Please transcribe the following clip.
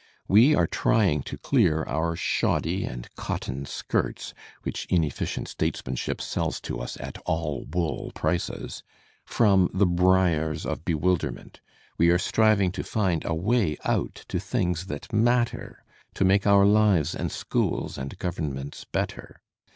We are tiying to clear our shoddy and cotton skirts (which inefficient statesmanship sells to us at all wool prices) from the briars of bewilderment; we are striving to find a way out to things that matter, to make our lives and schools and governments better.